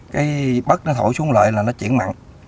cái bất nó thổi xuống lại là nó chuyển mặn